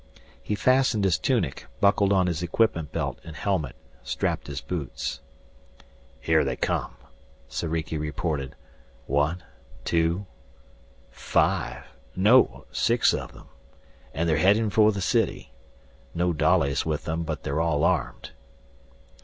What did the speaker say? He fastened his tunic, buckled on his equipment belt and helmet, strapped his boots. "Here they come!" Soriki reported. "One two five no, six of them. And they're heading for the city. No dollies with them, but they're all armed."